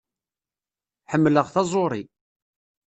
Ḥemmleɣ taẓuṛi.